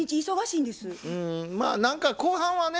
うんまあ何か後半はね